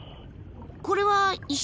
これは石？